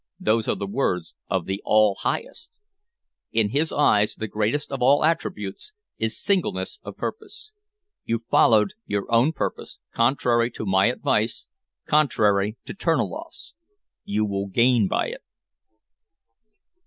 Those are the words of the All Highest. In his eyes the greatest of all attributes is singleness of purpose. You followed your own purpose, contrary to my advice, contrary to Terniloff's. You will gain by it."